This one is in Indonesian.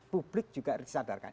publik juga harus sadarkan